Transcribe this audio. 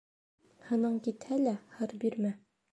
Һының китһә лә, һыр бирмә.